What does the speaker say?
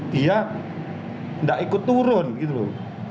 dia tidak ikut turun gitu loh